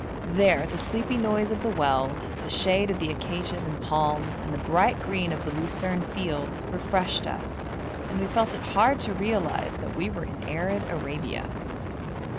There the sleepy noise of the wells, the shade of the acacias and palms, and the bright green of the lucerne fields, refreshed us, and we felt it hard to realise that we were in arid Arabia.